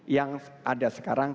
yang ada sekarang